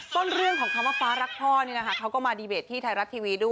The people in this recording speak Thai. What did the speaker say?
เรื่องของคำว่าฟ้ารักพ่อนี่นะคะเขาก็มาดีเบตที่ไทยรัฐทีวีด้วย